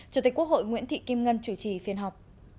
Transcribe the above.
chủ tịch quốc hội nguyễn thị kim ngân chủ trì phiên họp